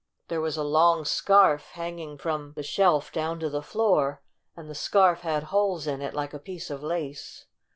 There was a long scarf hanging from 80 STORY OP A SAWDUST DOLL the shelf down to the floor, and the scarf had holes in it like a piece of lace.